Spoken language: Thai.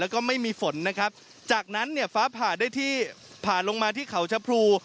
แล้วก็ไม่มีฝนนะครับจากนั้นเนี่ยฟ้าผ่าได้ที่ผ่าลงมาที่เขาชะพรู